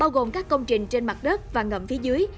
bao gồm các công trình trên mặt đất và ngậm phía dưới